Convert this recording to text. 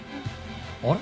あれ？